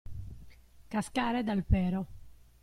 Cascare dal pero.